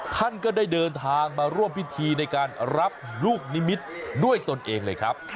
ท่านก็ได้เดินทางมาร่วมพิธีในการรับลูกนิมิตรด้วยตนเองเลยครับ